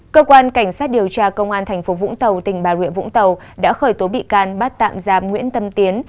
cơ quan cảnh sát điều tra công an tp vũng tàu tỉnh bà ruyện vũng tàu đã khởi tố bị can bắt tạm giam nguyễn tâm tiến